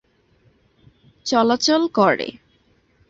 চলাচল করে।